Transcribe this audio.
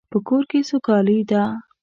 په کور کې سوکالی ده